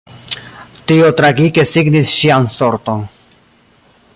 Tio tragike signis ŝian sorton.